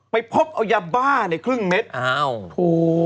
ไปพบเอายาบ้าในครึ่งเม็ดอ้าวถูก